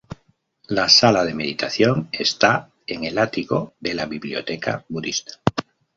La Sala de Meditación está en el ático de la Biblioteca Budista.